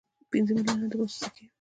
پنځه میلیونه د مسو سکې.